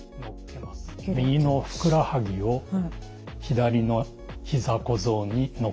右のふくらはぎを左の膝小僧に乗っけます。